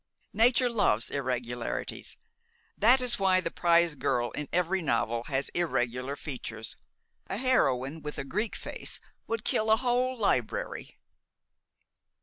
"Nature loves irregularities. That is why the prize girl in every novel has irregular features. A heroine with a Greek face would kill a whole library."